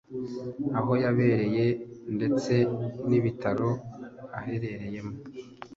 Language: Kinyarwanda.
aho yabereye ndetse n’ibitaro aherereyemo